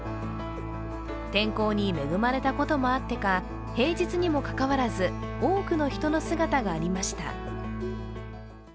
天候に恵まれたこともあってか平日にもかかわらず多くの人の姿がありました。